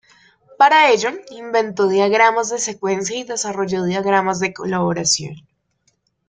Para ello inventó diagramas de secuencia y desarrolló diagramas de colaboración.